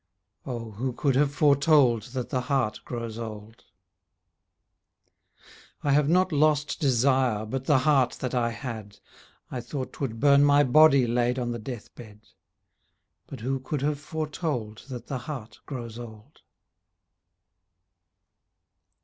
Oh, who could have foretold That the heart grows old? I have not lost desire But the heart that I had, I thought 'twould burn my body Laid on the death bed. But who could have foretold That the heart grows old?